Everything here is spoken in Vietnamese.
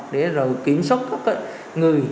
để kiểm soát các người